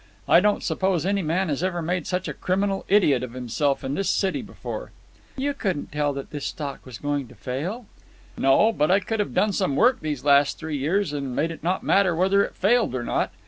I don't suppose any man has ever made such a criminal idiot of himself in this city before." "You couldn't tell that this stock was going to fail." "No; but I could have done some work these last three years and made it not matter whether it failed or not.